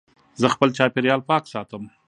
زه خپل چاپېریال پاک ساتم.